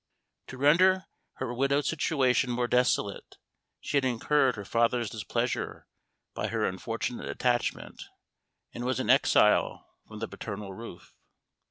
To render her widowed situation more desolate, she had incurred her father's displeasure by her unfortunate attachment, and was an exile from the parental roof.